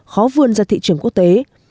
khó vươn ra thị trường quốc tế